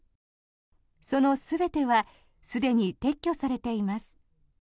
その全てはすでに撤去されています。